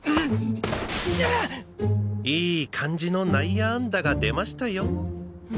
いい感じの内野安打が出ましたよ。